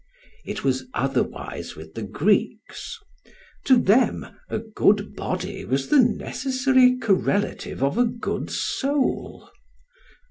It was otherwise with the Greeks; to them a good body was the necessary correlative of a good soul.